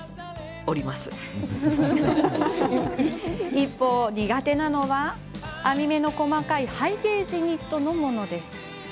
一方、苦手なのは編み目の細かいハイゲージニットのものです。